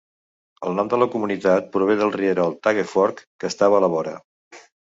El nom de la comunitat prové del rierol Tague Fork, que estava a la vora.